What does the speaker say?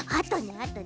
あと？